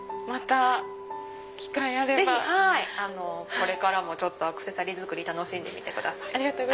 これからもアクセサリー作り楽しんでみてください。